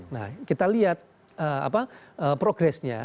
nah kita lihat progresnya